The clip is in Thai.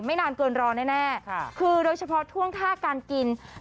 นานเกินรอแน่คือโดยเฉพาะท่วงท่าการกิน